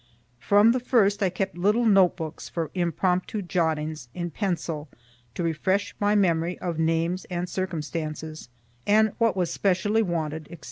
From the first I kept little note books for impromptu jottings in pencil to refresh my memory of names and circumstances, and what was specially wanted, &c.